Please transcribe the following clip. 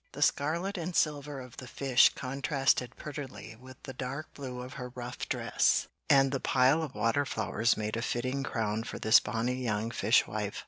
The scarlet and silver of the fish contrasted prettily with the dark blue of her rough dress, and the pile of water flowers made a fitting crown for this bonny young fish wife.